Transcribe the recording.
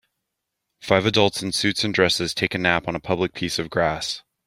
Five adults in suits and dresses take a nap on a public piece of grass.